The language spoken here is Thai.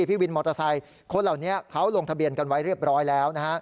พี่วินมอเตอร์ไซค์คนเหล่านี้เขาลงทะเบียนกันไว้เรียบร้อยแล้วนะฮะ